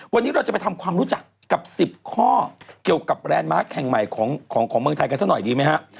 วันนี้เราจะไปทำความรู้จักกับ๑๐ข้อเกี่ยวกับแบรนด์มาร์คแห่งใหม่ของเมืองไทยกันสักหน่อยดีไหมฮะ